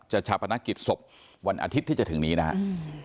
ชาปนกิจศพวันอาทิตย์ที่จะถึงนี้นะครับ